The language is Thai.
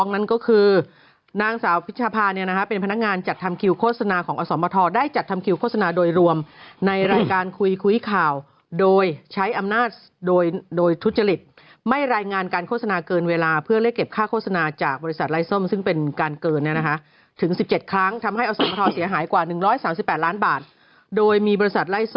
นั้นก็คือนางสาวพิชภาเป็นพนักงานจัดทำคิวโฆษณาของอสมทรได้จัดทำคิวโฆษณาโดยรวมในรายการคุยคุยข่าวโดยใช้อำนาจโดยทุจริตไม่รายงานการโฆษณาเกินเวลาเพื่อเรียกเก็บค่าโฆษณาจากบริษัทไล่ส้มซึ่งเป็นการเกินถึง๑๗ครั้งทำให้อสมทรเสียหายกว่า๑๓๘ล้านบาทโดยมีบริษัท